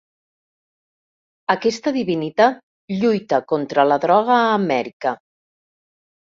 Aquesta divinitat lluita contra la droga a Amèrica.